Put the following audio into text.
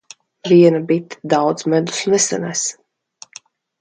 Viena bite daudz medus nesanes.